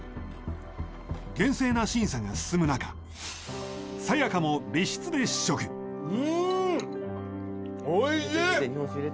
厳正な審査が進む中さや香も別室で試食うん！